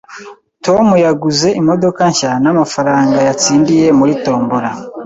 Tom yaguze imodoka nshya namafaranga yatsindiye muri tombora